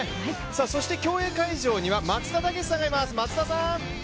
そして競泳会場には松田丈志さんがいます。